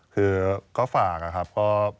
คือก็ฝากนะครับ